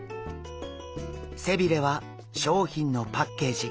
背鰭は商品のパッケージ。